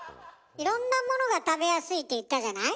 いろんなものが食べやすいって言ったじゃない？